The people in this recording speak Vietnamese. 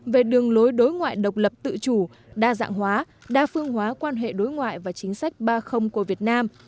về đường lối đối ngoại độc lập tự chủ đa dạng hóa đa phương hóa quan hệ đối ngoại và chính sách ba của việt nam